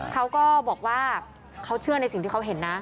เขาก็บอกว่าเขาเชื่อในสิ่งที่เขาเห็นนะ